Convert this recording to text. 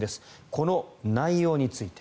この内容について。